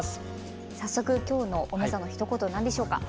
早速今日のおめざのひと言何でしょうか？